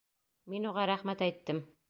Мин уға рәхмәт әйттем.